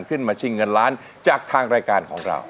ชิงเงินล้านจากทางรายการของเรา